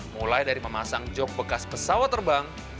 mulai dari memasang jok bekas pesawat terbang